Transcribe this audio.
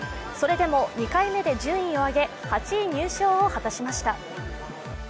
それでも２回目で順位を上げ、８位入賞を果たしました。